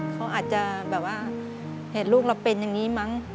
เขาอาจจะแบบว่าเห็นลูกเราเป็นอย่างนี้มั้ง